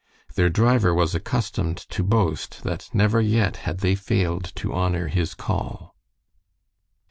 Their driver was accustomed to boast that never yet had they failed to honor his call.